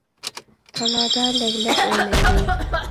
تالادا لەگلەك ئوينايلى.